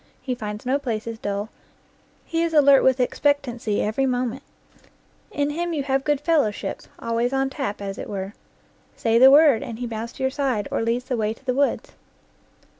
He finds no places dull, he is alert with expect ancy every moment. In him you have good fellowship, always on tap, NEW GLEANINGS IN OLD FIELDS as it were. Say the word, and he bounds to your side, or leads the way to the woods.